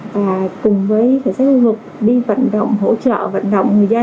và cùng với khởi sách hưu hục đi vận động hỗ trợ vận động người dân